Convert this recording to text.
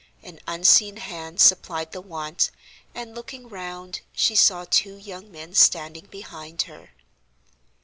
An unseen hand supplied the want, and, looking round, she saw two young men standing behind her.